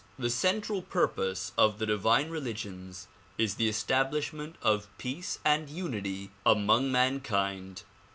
The central purpose of the divine religions is the establishment of peace and unity among mankind.